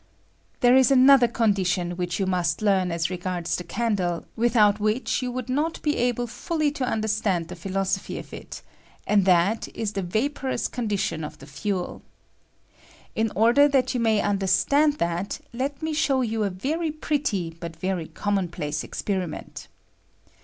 There is another condition which you must learn as regards the candle, without which you would not be able fully to understand the phi losophy of it, and that is the vaporous condition ^ COMBUSTIBLE VAPOE PEOM A CANDLE, E ef tlie fuel. In order that jou may understand I ib&t, let me show you a very pretty but very l commonplace experiment.